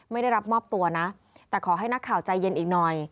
ไม่ได้รับมอบตัวนะแต่ขอให้นักข่าวใจเย็นอีกหน่อย